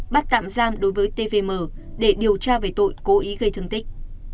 bắt tạm giam đối với t p m để điều tra về tội cố ý gây thương tích